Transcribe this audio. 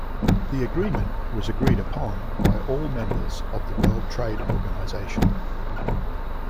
The agreement was agreed upon by all members of the World Trade Organization.